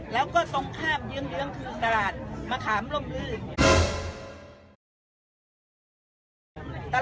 แล้วก็ตรงข้ามเยื้องคือตลาดมะขามล่มลื่น